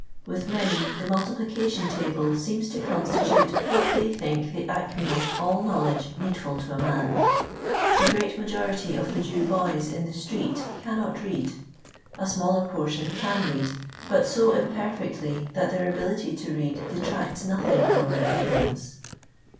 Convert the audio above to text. With many, the multipUcatioii table seems to constitute what they think the acme of all knowledge needful to a man. The ^reat majority of the Jew boys, in the stieety cannot read. A smaller portion can read, but so im perft'ctly that their ability to read detracts nothing from their ignorance.